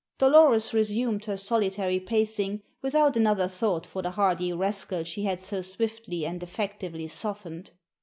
Dolores resumed her solitary pacing without another thought for the hardy rascal she had so swiftly and effectively softened.